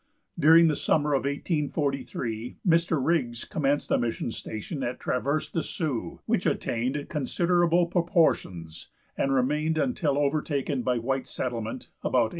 During the summer of 1843 Mr. Riggs commenced a mission station at Traverse des Sioux, which attained considerable proportions, and remained until overtaken by white settlement, about 1854.